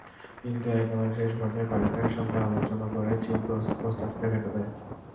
কিন্তু একেবারে শেষ পর্যায়ে পাকিস্তানের সঙ্গে আলোচনা করে চীন প্রস্তাবটিতে ভেটো দেয়।